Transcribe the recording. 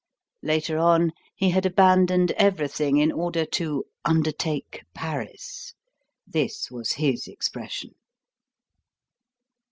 Later on he had abandoned everything, in order to "undertake Paris." This was his expression.